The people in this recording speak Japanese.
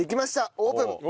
オープン！